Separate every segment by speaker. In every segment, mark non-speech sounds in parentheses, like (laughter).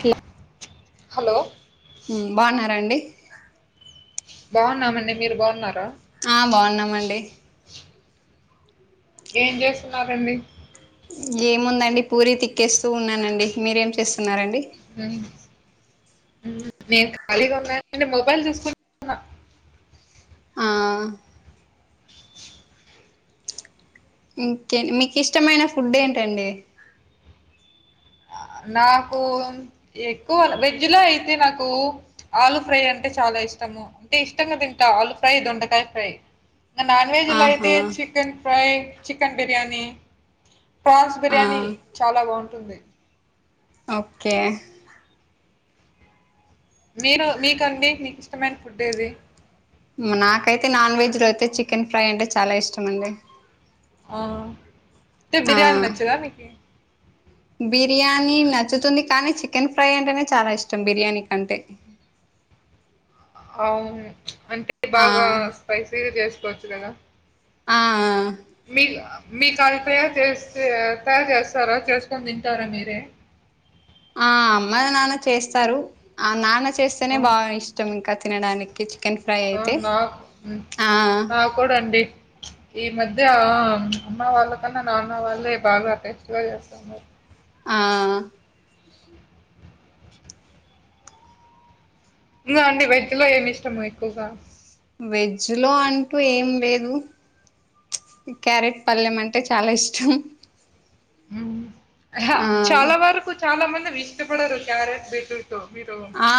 Speaker 1: కి
Speaker 2: హలో
Speaker 1: ఉ బాగున్నారండి
Speaker 2: బాగున్నామండి మీరు బాగున్నారా
Speaker 1: ఆ బాగున్నామండి
Speaker 2: ఏం చేస్తున్నారండి
Speaker 1: ఏముందండి పూరి తిక్కేస్తూ ఉన్నానండి మీరేం చేస్తున్నారండి
Speaker 2: నేను ఖాళీగా ఉన్నా మొబైల్ చూసుకుటు
Speaker 1: ఆ ఇంకే మీకు ఇష్టమైన ఫుడ్ ఏంటండి
Speaker 2: నాకు ఎక్కువ వెజ్లో అయితే నాకు ఆలు ఫ్రై అంటే చాలా ఇష్టము అంటే ఇష్టంగా తింటా ఆలూ ఫ్రై దొండకాయ ఫ్రై ఇక నాన్ వెజ్లో అయితే
Speaker 1: ఆహా
Speaker 2: chicken fry chicken biryani prawns
Speaker 1: ఆ
Speaker 2: బిర్యానీ చాలా బాగుంటుంది
Speaker 1: ఓకే
Speaker 2: మీరు మీకండీ మీకు ఇష్టమైన ఫుడ్ ఏది
Speaker 1: నాకైతే నాన్ వెజ్లో అయితే చికెన్ ఫ్రై అంటే చాలా ఇష్టమండి
Speaker 2: ఆయితే
Speaker 1: ఆ
Speaker 2: బిర్యానీ నచ్చదా మీకు
Speaker 1: బిర్యానీ నచ్చుతుంది కానీ చికెన్ ఫ్రై అంటేనే చాలా ఇష్టం బిర్యానీ కంటే
Speaker 2: అవును అంటే
Speaker 1: ఆ
Speaker 2: బాగా స్పైసీగా చేసుకోవచ్చు కదా
Speaker 1: ఆ
Speaker 2: మీ మీ కల్తయా చేస్తే తయారు చేస్తారా చేసుకొని తింటారా మీరే
Speaker 1: ఆ మా నాన్న చేస్తారు ఆ నాన్న చేస్తేనే
Speaker 2: హ్మ్.
Speaker 1: బాగా ఇష్టం ఇంకా తినడానికి చికెన్ ఫ్రై అయితే ఆ
Speaker 2: చూడండి ఈ మధ్య అమ్మ వాళ్ళకన్నా నాన్న వాళ్ళే బాగా డిస్ట్రాయ్ చేస్తున్నారు
Speaker 1: ఆ
Speaker 2: ఇంగ అండి వేజ్ లో ఏమి ఇష్టము ఎక్కువగా
Speaker 1: వెజ్ లో అంటూ ఏం లేదు క్యారెట్ పళ్ళెం అంటే చాలా ఇష్టం
Speaker 2: ఉ హ
Speaker 1: ఆ
Speaker 2: చాలా వరకు చాలా మంది ఇష్టపడరు క్యారేట్ బీట్ రూట్ మీరు
Speaker 1: ఆ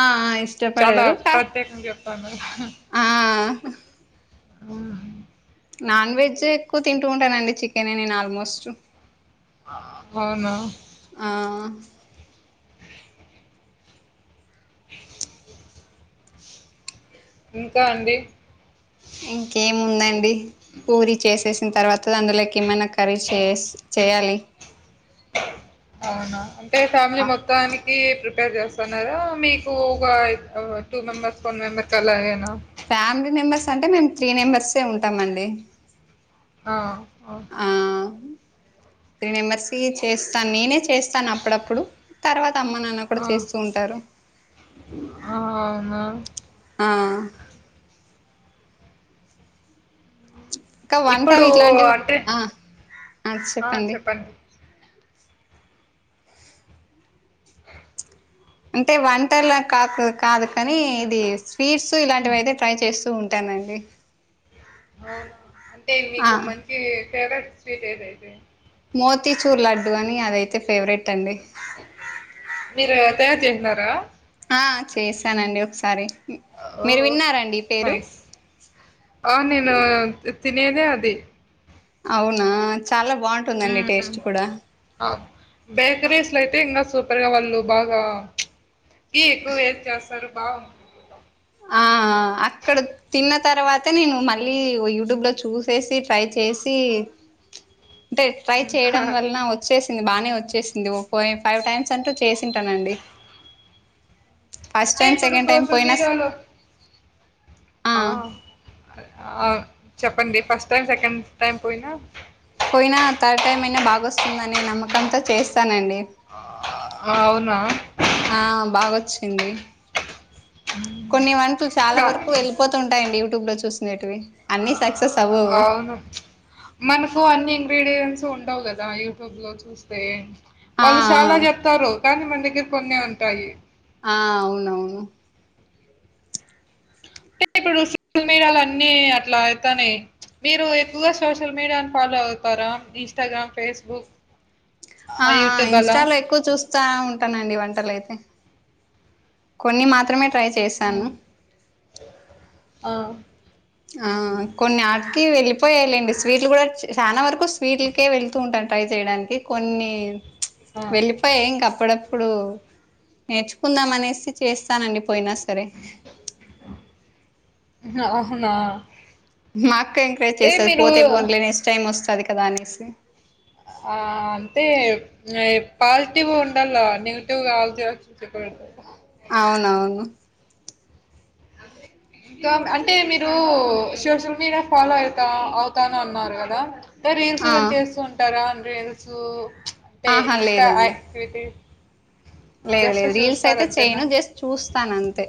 Speaker 2: చాలా
Speaker 1: ఇష్టపడరు కా
Speaker 2: ప్రత్యేకంగా చెప్తున్నారు
Speaker 1: ఆ
Speaker 2: హ్మ్.
Speaker 1: నాన్ వెజ్ ఎక్కువ తింటూ ఉంటానండి చికెనే నేను ఆల్మోస్ట్
Speaker 2: అవునా
Speaker 1: ఆ
Speaker 2: ఇంకా అండి
Speaker 1: ఇంకేముందండి పూరి చేసేసిన తర్వాత అందులోకి ఏమైనా కర్రీ చేస్ చేయాలి
Speaker 2: అవునా అంటే ఫ్యామిలీ మొత్తానికి ప్రిపేర్ చేస్తా ఉన్నారా మీకు ఒక టూ మెంబెర్స్ ఫోర్ మెంబర్ కలాగేనా
Speaker 1: ఫ్యామిలీ మెంబర్స్ అంటే మేము త్రీ నెంబెర్సే ఉంటాం అండి
Speaker 2: ఆ ఓ
Speaker 1: ఆ అ త్రీ మెంబర్స్ కి చేస్తాను నేనే చేస్తాను అప్పుడప్పుడు తర్వాత అమ్మ నాన్న కుడా చేస్తూ ఉంటారు
Speaker 2: అ అవున
Speaker 1: ఆ క వంటల్
Speaker 2: ఇప్పుడు
Speaker 1: గిట్లాంటివి
Speaker 2: అంటే
Speaker 1: ఆ అ చెప్పండి అంటే వంటల కాక్ కాదు కానీ ఇది స్వీట్స్ ఇలాంటివి అయితే ట్రై చేస్తూ ఉంట్ పెట్టానండి
Speaker 2: అవునా అంటే
Speaker 1: ఆ
Speaker 2: మీకు మంచి ఫేవరెట్ స్వీట్ ఏదైతే
Speaker 1: మోతీచూర్ లడ్డు అని అదైతే ఫేవరెట్ అండి
Speaker 2: మీరయితే తిన్నరా
Speaker 1: ఆ చేసానండి ఒకసారి
Speaker 2: ఓ
Speaker 1: మీరు విన్నారండి ఈ పేరు
Speaker 2: నైస్ ఆ నేను తినేదే అది
Speaker 1: అవునా చాలా బాగుంటుందండి టేస్ట్ కూడా
Speaker 2: అ బేకరీస్లో అయితే ఇంకా సూపర్గా వాళ్ళు బాగా టీ ఎక్కువ వేసి చేస్తారు బావు
Speaker 1: ఆ అ ఆ అక్కడ తిన్న తర్వాతే నేను మళ్ళీ యూట్యూబ్లో చూసేసి ట్రై చేసి అంటే ట్రై చేయడం వల్లన వచ్ చ్చేసింది బానే వచ్చేసింది ఓ ఫ ఫైవ్ టైమ్స్ అంటూ చేసింటానండి ఫస్ట్
Speaker 2: అంటే
Speaker 1: టైం
Speaker 2: ఇప్పుడు
Speaker 1: సెకండ్ టైం
Speaker 2: సోషల్
Speaker 1: పోయినా
Speaker 2: మీడియాలో
Speaker 1: ఆ
Speaker 2: ఆ చెప్పండి ఫస్ట్ టైం సెకండ్ టైమ్ పోయినా
Speaker 1: పోయినా థర్డ్ టైమ్ అయినా బాగొస్తుందనే నమ్మకంతో చేస్తానండి
Speaker 2: ఆ అవునా
Speaker 1: ఆ బాగొచ్చింది కొన్ని వంటలు చాలా
Speaker 2: కా
Speaker 1: వరకు వెళి పోతంటాయియండి యూట్యూబ్ లో చూసిననేటివి అన్ని సక్సెస్ అవ్వవు
Speaker 2: ఓహో (unintelligible) మనకు అన్ని ఇంగ్రీడియంట్స్ ఉండవు కదా యూట్యూబ్ లో చూస్తే
Speaker 1: ఆ
Speaker 2: వాళ్ళు చాలా
Speaker 1: ఆ
Speaker 2: చెప్తారు కానీ మన దగ్గర కొన్నే ఉంటాయి
Speaker 1: ఆ అవునవును
Speaker 2: అంటే ఇప్పుడు (unintelligible) సల్ మీరలు అన్నీ అట్లా అయితానే చ్ మీరు ఎక్కువగా సోషల్ మీడియాని ఫాలో అవుతారా ఇన్స్టాగ్రామ్ ఫేస్బుక్
Speaker 1: ఆ ఆ
Speaker 2: యూట్యూబ్ అలా
Speaker 1: ఇన్స్టాలో ఎక్కువ చూస్తా ఉంటానండి వంటలుయితే కొన్ని మాత్రమే ట్రై చేశాను
Speaker 2: ఆ
Speaker 1: ఆ కొన్ని ఆటికి వెళ్లిపోయాయిలెండి స్వీట్లు కూడా చానా వరకు ఎక్కువ స్వీట్లకే వెళుతూ ఉంటానికి ట్రై చేయడానికి కొన్ని
Speaker 2: ఆ ఆ
Speaker 1: అప్ప ఇంక అప్పుడప్పుడు నేర్చుకుందాం అనేసి చేస్తానండి పోయినా సరే
Speaker 2: అవునా
Speaker 1: మా అక్క ఎంకరేజ్
Speaker 2: అంటే
Speaker 1: చేస్తాది
Speaker 2: మీరు
Speaker 1: పోతే పోనలే నెక్స్ట్ టైమ్ వస్తాది కదా అనేసి
Speaker 2: ఆ అంటే పాజిటివ్ ఉండాల నెగిటివ్ కాళ్తేవచ్చు (unintelligible) సపరేట్
Speaker 1: అవునవును
Speaker 2: ఇంకా అంటే మీరు సోషల్ మీడియా ఫాలో అవుతా అవుతాన అన్నారు కదా అంటే రీల్స్
Speaker 1: ఆ
Speaker 2: కని చేస్తూ ఉంటరా రీల్స్ అంటే
Speaker 1: ఆహా
Speaker 2: ఎక్స్ట్రా
Speaker 1: లేదండి
Speaker 2: యాక్టివిటీస్
Speaker 1: లేదు లేదు రీల్స్ అయితే చేయను జస్ట్ చూస్తాను అంతే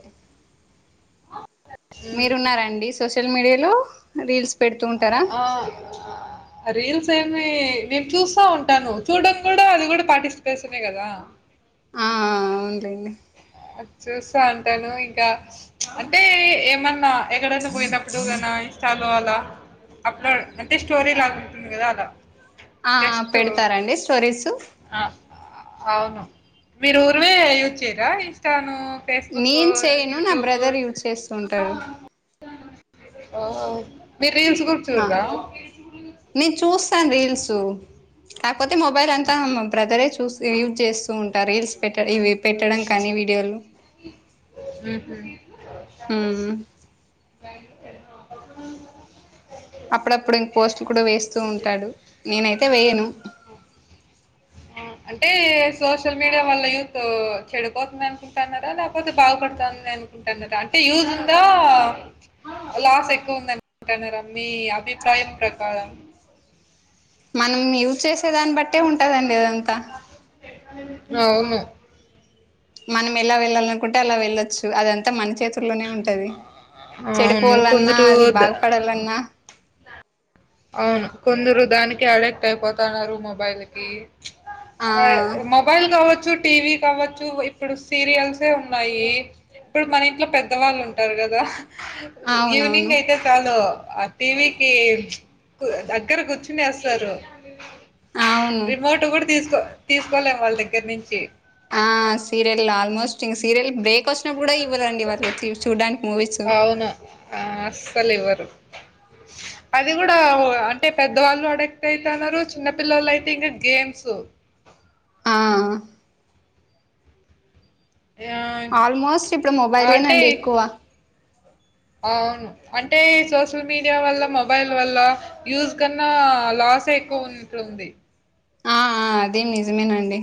Speaker 1: మీరు ఉన్నారా అండి సోషల్ మీడియా లో రీల్స్ పెడుతు
Speaker 2: ఆ రీల్స్ ఏమి నేను చూస్తా ఉంటాను చూడడం కూడా అది కూడా పార్టిసిపేషనే కదా
Speaker 1: ఆ ఆ అవునులేండి
Speaker 2: ఆది చూస్థా అంటాను ఇంకా చ్ అంటే ఏమన్నా ఎక్కడైనా పోయినప్పుడు గనా ఇన్స్టాలో అలా అప్లోడ్ అంటే స్టోరీ లాగుంటంది కదా అలా
Speaker 1: ఆ
Speaker 2: జస్టు
Speaker 1: పెడతారండి స్టోరీస్
Speaker 2: ఆ అవును మీరు ఊరివే యూజ్ చేయరా ఇన్ స్టాను
Speaker 1: నేను చేయను నా బ్రదర్ యూజ్ చేస్తూ ఉంటాడు
Speaker 2: ఓహో మీరు రీల్స్ కూడా
Speaker 1: ఆ
Speaker 2: చూడరా
Speaker 1: నేను చూస్తాను రీల్స్ కాకపోతే మొబైల్ అంతా మా బ్రదరే చూస్తా యూజ్ చేస్తూ ఉంటా రీల్స్ పెట్ట ఇవి పెట్టడం కానీ వీడియోలు
Speaker 2: హుహు.
Speaker 1: ఉమ్
Speaker 2: బ
Speaker 1: అప్పుడప్పుడు ఇంక పోస్ట్లు కుడా వేస్తూ ఉంటాడు నేనైతే వేయను
Speaker 2: అంటే సోషల్ మీడియా వల్ల యూత్ చెడిపోతుంద అనుకుంటున్నారా లేకపోతే బాగుపడుతాంది అనుకుంటున్నారా అంటే యూజ్ ఉందా లాస్ ఎక్కువ ఉంది అంటున్నారా మీ అభిప్రాయం ప్రకారం
Speaker 1: మనం యూజ్ చేసే దాన్ని బట్టే ఉంటదండి అదంతా
Speaker 2: అవును
Speaker 1: మనం ఎలా వెళ్ళాలనుకుంటే అలా వెళ్లొచ్చు అదంతా మన చేతుల్లోనే ఉంటుంది ఉంటది
Speaker 2: అవును.
Speaker 1: చెడిపోవాలన్నా
Speaker 2: కొందరు
Speaker 1: అది
Speaker 2: ద
Speaker 1: బాగుపడాలన్నా
Speaker 2: అవును కొందరు దానికి అడిక్ట్ అయిపోతున్నారు మొబైల్ కి
Speaker 1: ఆ
Speaker 2: అ మ మొబైల్ కావచ్చు టీవీ కావచ్చు ఇప్పుడు సీరియల్సే ఉన్నాయి ఇప్పుడు మన ఇంట్లో పెద్దవాళ్ళు ఉంటారు కదా ఈవినింగ్
Speaker 1: అవునవును
Speaker 2: అయితే చాలు ఆ టీవీకి దగ్గర కూర్చునేస్తారు
Speaker 1: అవును
Speaker 2: రిమోట్ కూడా తీసుకో తీసుకోలేం వాళ్ళ దగ్గర నుంచి
Speaker 1: ఆ సీరియల్ ఆల్మోస్ట్ ఇంక సీరియల్ బ్రేక్ వచ్చినప్పుడు కూడా ఇవ్వరండి వాళ్ళు చూడ్డానికి మూవీస్
Speaker 2: అవునా ఆ అస్సలు ఇవ్వరు అది కూడా అంటే పెద్దవాళ్ళు అడక్ట్ అయితన్నరు చిన్న పిల్లలు అయితే ఇంకా గేమ్స్
Speaker 1: ఆ ఆల్మోస్ట్ ఇప్పుడు మొబైలేనండి ఎక్కువ
Speaker 2: ఆ అవును అంటే సోషల్ మీడియా వల్ల మొబైల్ వల్ల యూజ్ కన్నా లాసే ఎక్కువ ఉన్నట్టు ఉంది
Speaker 1: ఆ అదీ నిజమేనండి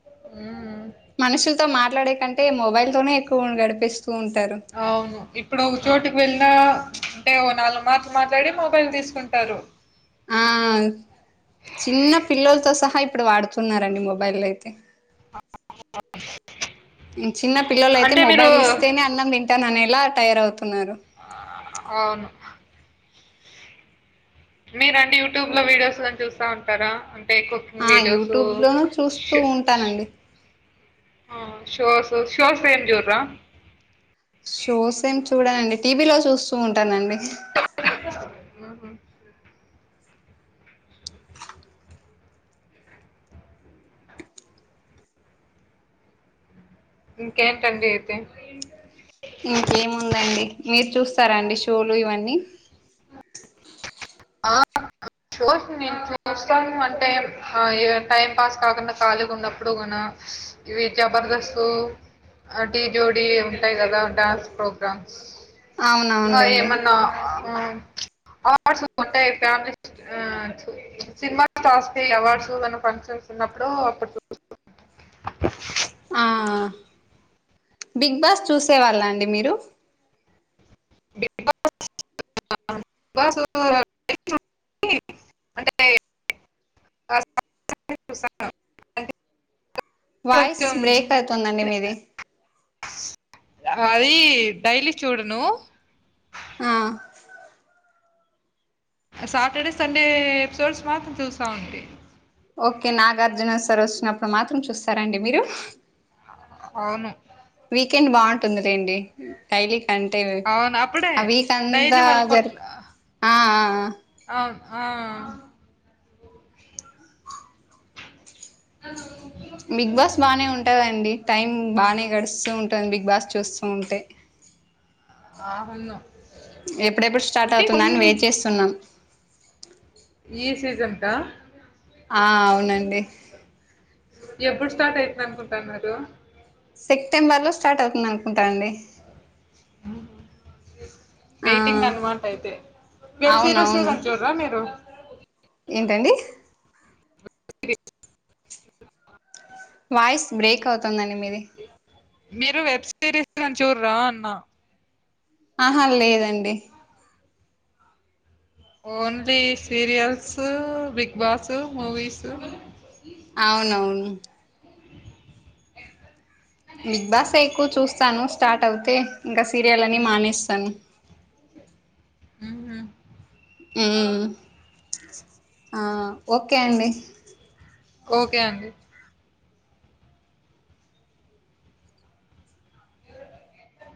Speaker 2: ఉమ్ ఉ
Speaker 1: మనుషులతో మాట్లాడే కంటే మొబైల్ తోనే ఎక్కువ గడీపేస్తూ ఉంటారు
Speaker 2: అవును ఇప్పుడు ఒక చోటుకి వెళ్ళినా అంటే ఓ నాలుగు మాట్లు మాట్లాడి మొబైల్ తీసుకుంటారు
Speaker 1: ఆ చిన్న పిల్లలతో సహా ఇప్పుడు వాడుతున్నారండి మొబైల్ అయితే చిన్న పిల్లల అయితే
Speaker 2: అంటే మీరు
Speaker 1: మొబైల్ ఇస్తేనే అన్నం తింటాను అనేలా తయర్ అవుతున్నారు
Speaker 2: అవును మీరు అండి యూట్యూబ్ లో వీడియోస్లని చూస్తా ఉంటారా అంటే ఎక్కు
Speaker 1: ఆ
Speaker 2: వీడియోస్
Speaker 1: యూట్యూబ్ లోను
Speaker 2: స్
Speaker 1: చూస్తూ
Speaker 2: స్
Speaker 1: ఉంటానండి
Speaker 2: ఆ షోస్ షోస్ ఏం చూరరా
Speaker 1: షోస్ ఏం చూడనండి టీవీ లో చూస్తూ ఉంటానండి
Speaker 2: ఉహ్ ఉ ఇంకేంటండి అయితే
Speaker 1: ఇంకేముందండి మీరు చూస్తారాండి షోలు ఇవన్నీ
Speaker 2: ఆ షోస్ మేము చూస్తామంటే ఆ ఇ టైం పాస్ కాకుండా కళీగా ఉన్నప్పుడు కూనా ఇవి జబర్దస్త్ ఆ డీ జోడి ఉంటాయి కదా డాన్స్ ప్రోగ్రామ్స్ అ
Speaker 1: అవునవునులేండి
Speaker 2: ఏమన్నా ఆ అవార్డ్స్ ఉంటే ఫ్యామిలీ ఆ సినిమా స్టాస్ అవార్డ్స్ ఏన్న ఫంక్షన్స్ ఉన్నప్పుడు అప్పుడు చూ
Speaker 1: ఆ బిగ్ బాస్ చూసే వాళ్ళ అండి మీరు
Speaker 2: బిగ్ బాస్ బాస్ (unintelligible) వంటచేయ్ (inaudible)
Speaker 1: వాయిస్
Speaker 2: కొంచెం
Speaker 1: బ్రేక్ అవుతుందండి మీది
Speaker 2: అది డైలీ చూడను
Speaker 1: ఆ
Speaker 2: సాటర్డే సండే ఎపిసోడ్స్ మాత్రం చూస్తంటి
Speaker 1: ఓకే నాగార్జున సార్ వచ్చినప్పుడు మాత్రం చూస్తారండి మీరు
Speaker 2: అవును
Speaker 1: వీకెండ్ బాగుంటుంది లెండి కైలీ కంటే
Speaker 2: అవును. అప్పుడే
Speaker 1: ఆ వీక్ అంతా
Speaker 2: డైలీ వాళ్ళు
Speaker 1: జరిపి ఆ ఆ
Speaker 2: ఆమ్ ఆహా
Speaker 1: బిగ్ బాస్ బానే ఉంటదండి టైం బానే గడుస్తూ ఉంటుంది బిగ్ బాస్ చూస్తూ ఉంటే
Speaker 2: బాగున్ను
Speaker 1: ఎప్పుడెప్పుడు స్టార్ట్ అవుతుంద అని వెయిట్ చేస్తున్నాం
Speaker 2: ఈ సీజన్ కా
Speaker 1: ఆ అవునండి
Speaker 2: ఇంకేప్పుడు స్టార్ట్ అయితుంది అనుకుంటాన్నారు
Speaker 1: సెప్టెంబర్ లో స్టార్ట్ అవుతుంది అనుకుంటా అండి ఆ
Speaker 2: వెయిటింగ్ అన్మాట అయితే వెబ్ సీరీస్
Speaker 1: అవునవును
Speaker 2: గూడ చూ రా మీరు
Speaker 1: ఏంటండి వాయిస్ బ్రేక్ అవుతుందండి మీది
Speaker 2: మీరు వెబ్ సిరీస్ లని చూడరా అన్నా
Speaker 1: ఆహా లేదండి
Speaker 2: only serials big boss movies
Speaker 1: అవునవును బిగ్ బాస్ ఎక్కువ చూస్తాను స్టార్ట్ అవుతే ఇంకా సీరియల్ అన్ని
Speaker 2: హ్మ్.
Speaker 1: మానేస్తాను
Speaker 2: ఉహు
Speaker 1: ఉం ఆ ఓకే అండి
Speaker 2: ఓకే అండి